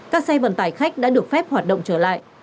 các xe vận tải khách đã được phép hoạt động trở lại